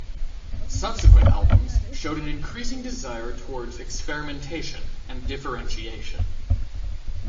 Subsequent albums showed an increasing desire towards experimentation and differentiation.